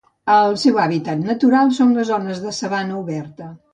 El seu hàbitat natural són les zones de sabana oberta.